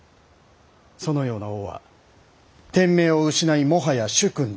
そのような王は天命を失いもはや主君ではない。